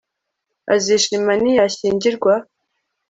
Azishima niyashyingirwa